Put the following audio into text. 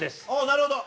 「なるほど！」